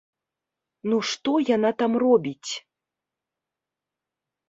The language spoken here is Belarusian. Ну што яна там робіць?